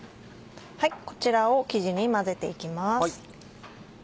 こちらを生地に混ぜて行きます。